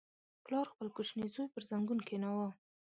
• پلار خپل کوچنی زوی پر زنګون کښېناوه.